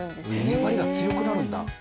粘りが強くなるんだ。